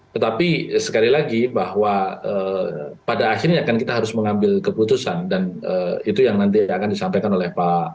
tetapi sekali lagi bahwa pada akhirnya kan kita harus mengambil keputusan dan itu yang nanti akan disampaikan oleh pak